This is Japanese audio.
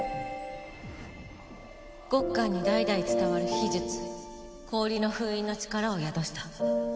ゴッカンに代々伝わる秘術氷の封印の力を宿した。